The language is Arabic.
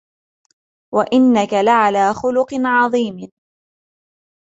وَإِنَّكَ لَعَلَى خُلُقٍ عَظِيمٍ